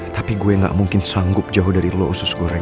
tapi gue gak mungkin sanggup jauh dari lo usus goreng